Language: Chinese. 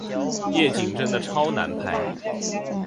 夜景真的超难拍